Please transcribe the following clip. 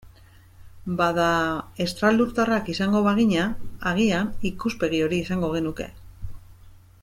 Bada, estralurtarrak izango bagina, agian ikuspegi hori izango genuke.